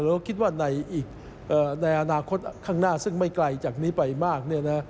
เราคิดว่าในอนาคตข้างหน้าซึ่งไม่ไกลจากนี้ไปมาก